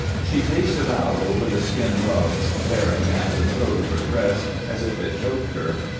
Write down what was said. She paced about over the skin rugs, tearing at the throat of her dress as if it choked her.